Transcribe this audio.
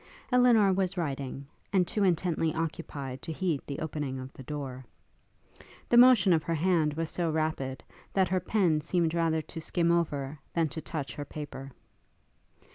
Elinor was writing, and too intently occupied to heed the opening of the door. The motion of her hand was so rapid, that her pen seemed rather to skim over, than to touch her paper.